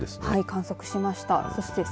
観測しました。